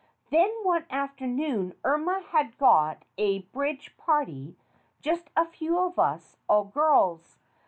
Then one afternoon Irma had got a bridge party, just a few of us, all girls.